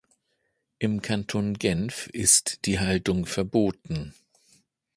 Im Kanton Genf ist die Haltung verboten.